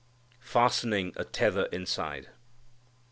Fastening a Tether Inside.